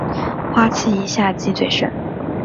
花期以夏季最盛。